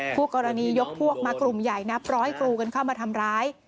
ผู้กรณียกพวกมากลุ่มใหญ่นับร้อยกรูกันเข้ามาทำร้าย